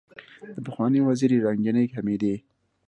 دپخوانۍ وزیرې رنګینې حمیدې